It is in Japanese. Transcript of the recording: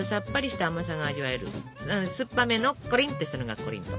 酸っぱめのコリンっとしたのがコリント。